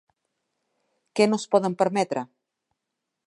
Què no es poden permetre?